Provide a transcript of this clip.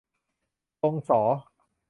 ซอ สอ